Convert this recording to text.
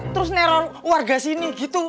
terus nerol warga sini gitu